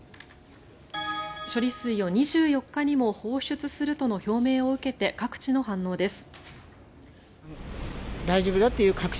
処理水を２４日にも放出するとの表明を受けて各地の反応です。